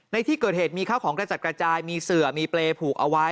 ในที่เกิดเหตุมีข้าวของกระจัดกระจายมีเสือมีเปรย์ผูกเอาไว้